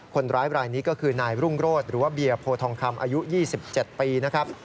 คนร้ายบรายนี้ก็คือนายรุ่งโรธหรือว่าเบียร์โพทองคำอายุ๒๗ปีนะครับ